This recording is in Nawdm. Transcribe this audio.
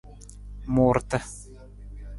Muurata.